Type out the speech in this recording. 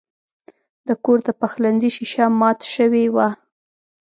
د کور د پخلنځي شیشه مات شوې وه.